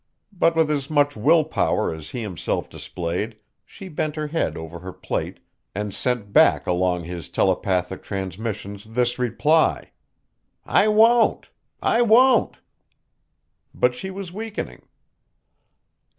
But with as much will power as he himself displayed she bent her head over her plate and sent back along his telepathic transmission this reply: "I won't! I won't!" But she was weakening.